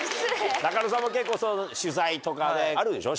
仲野さんも結構取材とかあるでしょ？